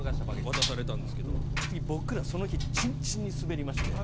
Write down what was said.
渡されたんですけど次僕らその日ちんちんにスベりまして。